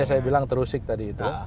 ya saya bilang terusik tadi itu